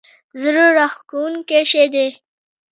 زړه راښکونکی شی دی.